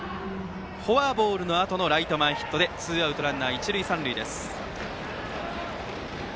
フォアボールのあとのライト前ヒットでツーアウトランナー、一塁三塁。